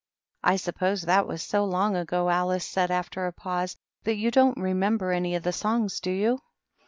" I suppose that was so long ago/* Alice said, after a pause, " that you don't remember any of the songs, do you?